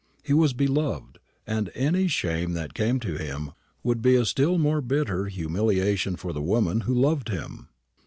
He was beloved, and any shame that came to him would be a still more bitter humiliation for the woman who loved him.